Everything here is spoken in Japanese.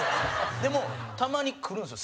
でも、たまに来るんですよ